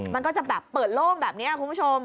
มันก็จะแบบเปิดโล่งแบบนี้คุณผู้ชม